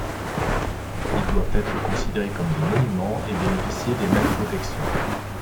Ils doivent être considérés comme des monuments et bénéficier des mêmes protections.